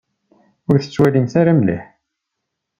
Ur tettwalimt ara mliḥ.